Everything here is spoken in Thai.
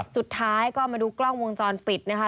สุดท้ายก็มาดูกล้องวงจรปิดนะคะ